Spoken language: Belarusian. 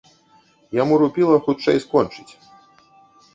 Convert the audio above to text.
Яму рупіла хутчэй скончыць.